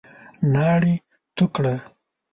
ناړي تو کړه !